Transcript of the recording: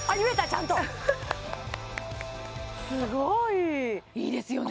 ちゃんとすごいいいいいですよね